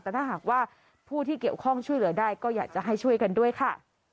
แต่ถ้าหากว่าผู้ที่เกี่ยวข้องช่วยเหลือได้ก็อยากจะให้ช่วยกันด้วยค่ะ